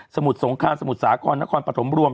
มุดสงครามสมุทรสาครนครปฐมรวม